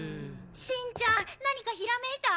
しんちゃん何かひらめいた？